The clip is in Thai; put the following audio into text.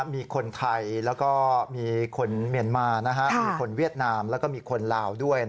มีคนไทยแล้วก็มีคนเมียนมามีคนเวียดนามแล้วก็มีคนลาวด้วย